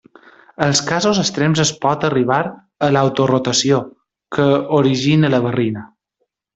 En casos extrems es pot arribar a l'autorotació, que origina la barrina.